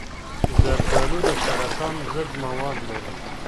زردآلو د سرطان ضد مواد لري.